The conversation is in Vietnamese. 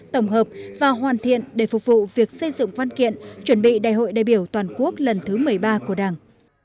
tổng hợp và hoàn thiện để phục vụ việc xây dựng văn kiện chuẩn bị đại hội đại biểu toàn quốc lần thứ một mươi ba của đảng